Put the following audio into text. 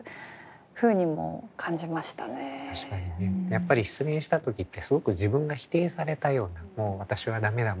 やっぱり失恋した時ってすごく自分が否定されたような「もう私は駄目だ。